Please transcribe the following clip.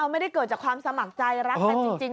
ไม่ได้เกิดจากความสมัครใจรักกันจริง